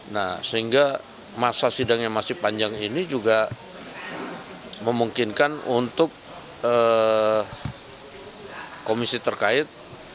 nah sehingga masa sidang yang masih panjang ini juga memungkinkan untuk komisi terkait